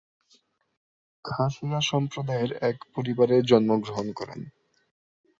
খাসিয়া সম্প্রদায়ের এক পরিবারে জন্মগ্রহণ করেন।